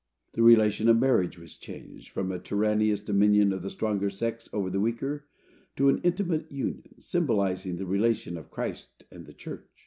The relation of marriage was changed, from a tyrannous dominion of the stronger sex over the weaker, to an intimate union, symbolizing the relation of Christ and the church.